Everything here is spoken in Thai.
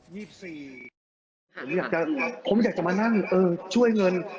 ผมอยากจะผมอยากจะมานั่งช่วยเงิน